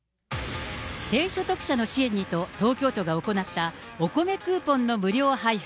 低所得者の支援にと、東京都が行ったおこめクーポンの無料配布。